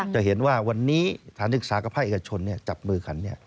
จะเห็นว่าวันนี้สถานศึกษากับภาคเอกชนจับมือกัน